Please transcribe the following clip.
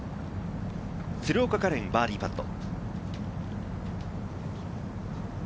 鶴岡果恋、バーディーパット。